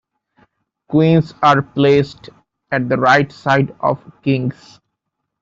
Queens are placed at the right side of kings.